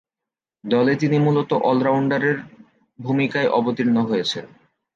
দলে তিনি মূলতঃ অল-রাউন্ডারের ভূমিকায় অবতীর্ণ হয়েছেন।